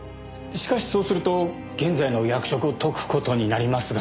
しかしそうすると現在の役職を解く事になりますが。